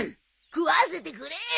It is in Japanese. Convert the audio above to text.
食わせてくれよ。